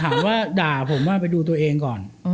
ถามว่าด่าผมว่าไปดูตัวเองก่อน